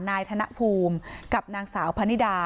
นายธนภูมิกับนางสาวพนิดา